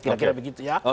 kira kira begitu ya